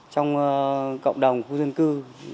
trong cộng đồng khu dân cư